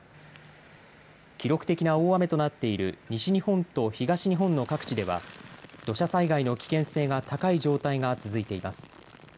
記録的な大雨となっている西日本と東日本の各地では土砂災害の危険性が高い状態が続いています。